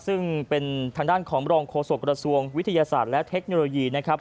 ซึ่งเป็นทางด้านของรองโฆษกระทรวงวิทยาศาสตร์และเทคโนโลยีนะครับ